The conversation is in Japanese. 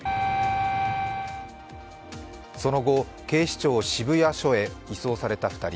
その後、警視庁渋谷署へ移送された２人。